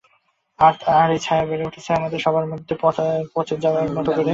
আর এই ছায়া বেড়ে উঠছে, আমাদের সবার মধ্যে, পচে যাওয়ার মতো করে।